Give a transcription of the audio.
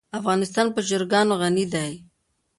افغانستان په چرګان غني دی.